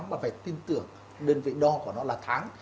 và phải tin tưởng đơn vị đo của nó là tháng